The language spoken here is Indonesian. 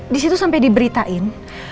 disitu sampe diberitain